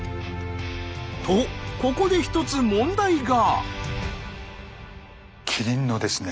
とここで一つ問題が。